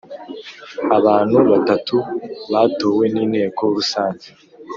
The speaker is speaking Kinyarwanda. abantu batatu batowe n’Inteko rusange